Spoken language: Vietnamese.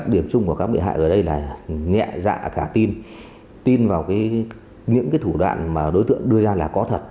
điểm chung của các bị hại ở đây là nhẹ dạ cả tin tin vào những cái thủ đoạn mà đối tượng đưa ra là có thật